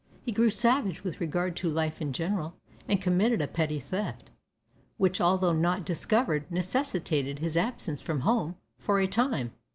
He grew savage with regard to life in general, and committed a petty theft, which, although not discovered, necessitated his absence from home for a time.